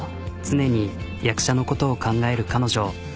常に役者のことを考える彼女。